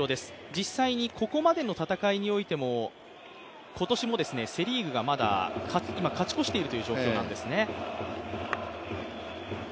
実際にここまでの戦いにおいても今年もセ・リーグがまだ今、勝ち越しているという状況なんですね。